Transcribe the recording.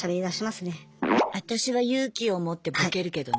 私は勇気を持ってボケるけどね